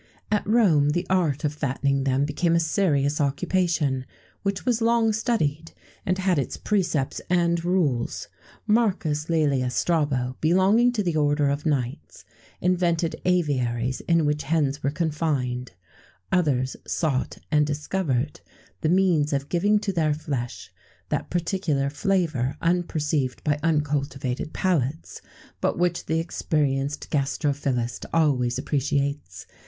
[XVII 20] At Rome, the art of fattening them became a serious occupation, which was long studied, and had its precepts and rules. Marcus Lœlius Strabo, belonging to the order of knights, invented aviaries in which hens were confined;[XVII 21] others sought and discovered the means of giving to their flesh that particular flavour unperceived by uncultivated palates, but which the experienced gastrophilist always appreciates.